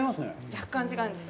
若干違うんです。